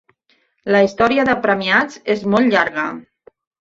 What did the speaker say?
La història de premiats és molt llarga.